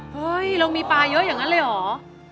เฮ้ยเรามีปลาเยอะอย่างนั้นเลยเหรอ